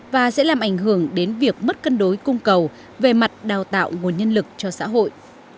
và sẽ làm ảnh hưởng đến việc mất cân đối cung cầu về mặt đào tạo nguồn nhân lực cho xã hội